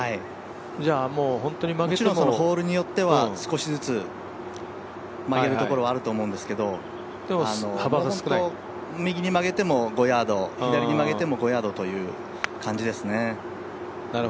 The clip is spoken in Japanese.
もちろんホールによっては少しずつ曲げるところはあると思うんですけど右に曲げても５ヤード、左に曲げても５ヤードという感じですね。